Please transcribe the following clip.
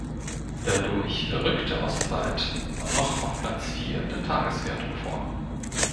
Dadurch rückte Ostwald noch auf Platz Vier der Tageswertung vor.